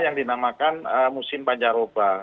yang dinamakan musim panjaroba